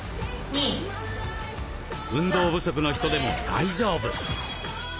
運動不足の人でも大丈夫。